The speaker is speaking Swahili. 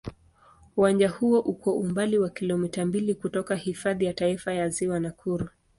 Uwanja huo uko umbali wa kilomita mbili kutoka Hifadhi ya Taifa ya Ziwa Nakuru.